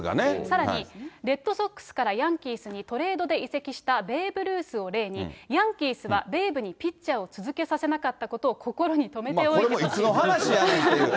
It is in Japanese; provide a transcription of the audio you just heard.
さらにレッドソックスからヤンキースにトレードで移籍したベーブ・ルースを例に、ヤンキースはベーブにピッチャーを続けさせなかったことを心に留これもいつの話やねんっていう。